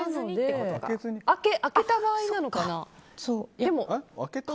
開けた場合なのかな？